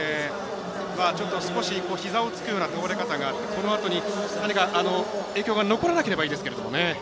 ちょっと少し膝をつくような倒れ方があってこのあとに影響が残らなければいいですけどね。